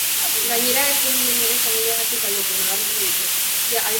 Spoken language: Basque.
Gainera, ez zuen behin ere familiagatik galdetu, nabarmendu dute.